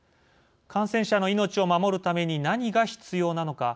感染者の命を守るために何が必要なのか。